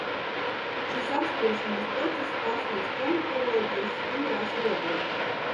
Šis apspriešanās process pārsniedz komitoloģijas stingrās robežas.